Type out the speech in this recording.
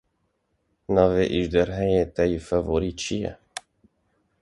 Navê ejderhayê te yê favorî çi ye?